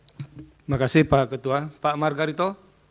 terima kasih pak ketua pak margarito